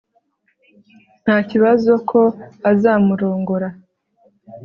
Ntakibazo ko azamurongora